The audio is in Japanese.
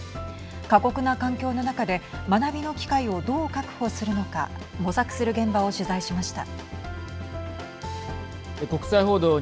過酷な環境の中で学びの機会をどう確保するのか模索する現場を取材しました。